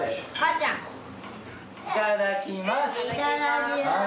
いただきます。